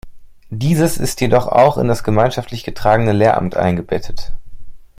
Dieses ist jedoch auch in das gemeinschaftlich getragene Lehramt eingebettet.